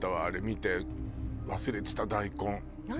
あれ見て忘れてた大根。